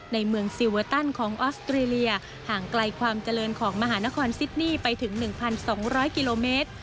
ในเมืองซิลเวอร์ตันของออสเตรเลียห่างไกลความเจริญของมหานครซิดนี่ไปถึง๑๒๐๐กิโลเมตร